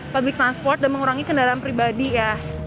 public transport dan mengurangi kendaraan pribadi ya